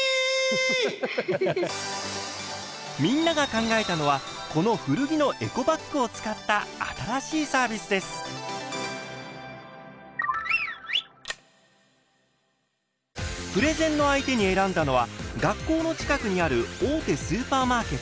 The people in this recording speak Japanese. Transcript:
みんなが考えたのはこの古着のプレゼンの相手に選んだのは学校の近くにある大手スーパーマーケット。